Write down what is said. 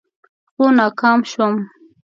خو ناکام شوم.